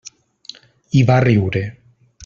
I va riure.